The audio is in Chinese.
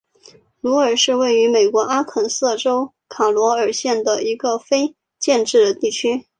鲁尔是位于美国阿肯色州卡罗尔县的一个非建制地区。